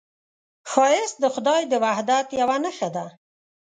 ښایست د خدای د وحدت یوه نښه ده